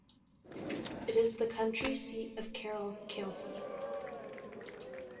It is the county seat of Carroll County.